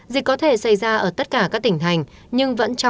dịch có thể xảy ra ở tất cả các tỉnh thành